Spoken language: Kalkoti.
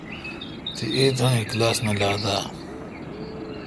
تی ایتھان کلاس نہ لات اؘ۔